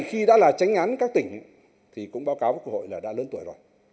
khi đã là tránh án các tỉnh thì cũng báo cáo với quốc hội là đã lớn tuổi rồi